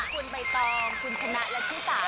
คุณใบตองคุณชนะและชิสา